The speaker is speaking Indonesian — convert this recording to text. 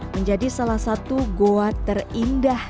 menjadi salah satu goa terindah